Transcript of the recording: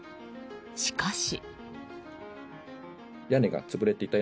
しかし。